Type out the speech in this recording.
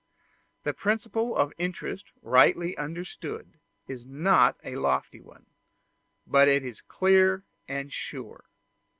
The principle of interest rightly understood is not a lofty one, but it is clear and sure.